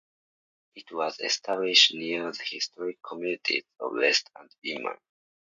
It was established near the historic communities of Rest and Inman.